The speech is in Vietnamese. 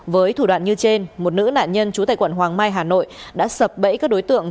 với thủ đoạn như trên một nữ nạn nhân trú tại quận hoàng mai hà nội đã sập bẫy các đối tượng